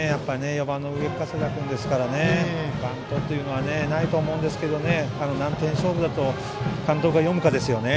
４番の上加世田君ですからバントというのはないと思うんですが何点勝負だと監督が読むかですね。